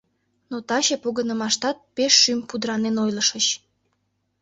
Но таче погынымаштат пеш шӱм пудыранен ойлышыч.